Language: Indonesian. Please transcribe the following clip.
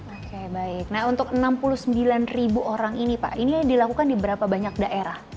oke baik nah untuk enam puluh sembilan ribu orang ini pak ini dilakukan di berapa banyak daerah